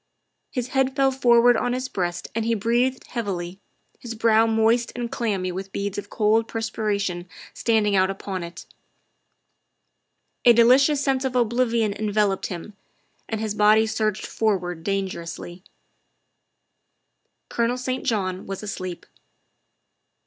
His head fell forward on his breast and he breathed heavily, his brow moist and clammy with beads of cold perspiration standing out upon it. A delicious sense of oblivion enveloped him, and his body surged forward dangerously. THE SECRETARY OF STATE 29 Colonel St. John was asleep.